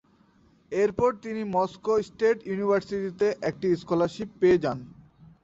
এরপর তিনি Moscow state ইউনিভার্সিটিতে একটি স্কলারশিপ পেয়ে যান।